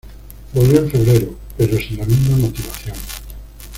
Volvió en febrero pero sin la misma motivación.